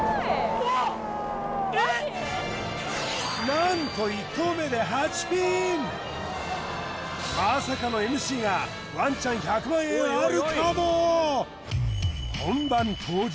何とまさかのＭＣがワンチャン１００万円あるかも！